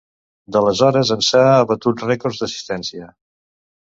D'aleshores ençà ha batut rècords d'assistència.